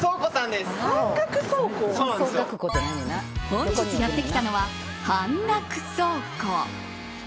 本日やってきたのは半額倉庫。